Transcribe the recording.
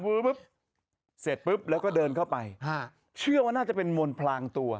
ปุ๊บเสร็จปุ๊บแล้วก็เดินเข้าไปฮะเชื่อว่าน่าจะเป็นมวลพลางตัว